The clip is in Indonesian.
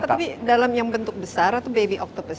tapi dalam yang bentuk besar itu baby octopus